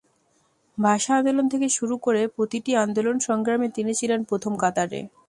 ভাষা আন্দোলন থেকে শুরু করে প্রতিটি আন্দোলন-সংগ্রামে তিনি ছিলেন প্রথম কাতারে।